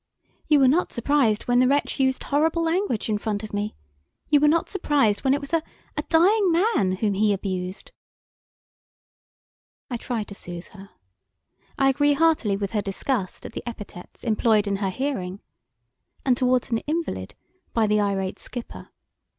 "You were not surprised when the wretch used horrible language in front of me! You were not surprised when it was a dying man whom he abused!" I try to soothe her. I agree heartily with her disgust at the epithets employed in her hearing, and towards an invalid, by the irate skipper.